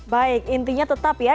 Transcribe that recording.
baik intinya tetap ya